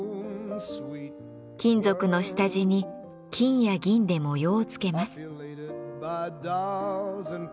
金属の下地に金や銀で模様をつけます。